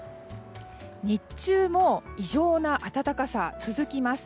日中も異常な暖かさ、続きます。